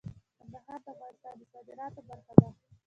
کندهار د افغانستان د صادراتو برخه ده.